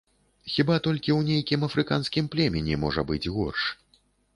Хіба толькі ў нейкім афрыканскім племені можа быць горш.